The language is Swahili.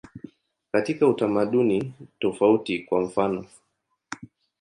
Katika utamaduni tofauti, kwa mfanof.